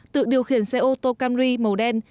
tự điều khiển xe ô tô camry màu đen